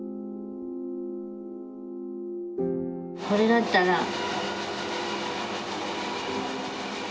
これだったら。